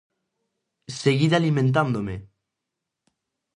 Seguide alimentándome!